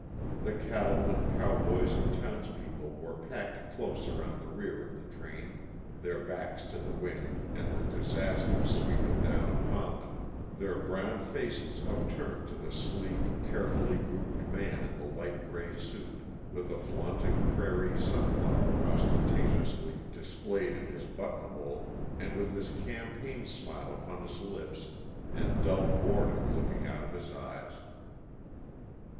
The cattlemen, cowboys, and townspeople were packed close around the rear of the train, their backs to the wind and the disaster sweeping down upon them, their browned faces upturned to the sleek, carefully groomed man in the light gray suit, with a flaunting, prairie sunflower ostentatiously displayed in his buttonhole and with his campaign smile upon his lips and dull boredom looking out of his eyes.